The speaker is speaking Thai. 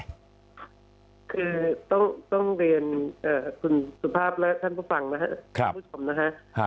คือต้องเรียนคุณสุภาพและท่านผู้ฟังนะครับคุณผู้ชมนะฮะ